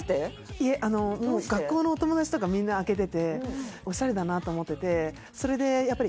いえあの学校のお友達とかみんなあけててオシャレだなと思っててそれでやっぱり